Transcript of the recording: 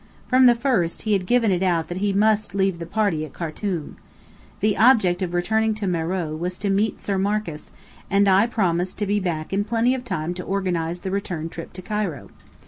From the first, he had given it out that he must leave the party at Khartum. The object of returning to Meröe was to "meet Sir Marcus;" and I promised to be back in plenty of time to organize the return trip to Cairo.